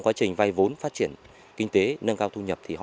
đạt chuẩn xã sơn nam